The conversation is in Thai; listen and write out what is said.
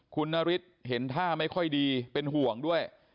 คุณนฤทธิ์เห็นท่าไม่ค่อยดีเป็นห่วงด้วย